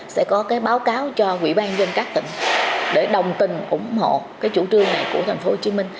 sẽ có báo cáo cho quỹ ban dân các tỉnh để đồng tình ủng hộ chủ trương này của tp hcm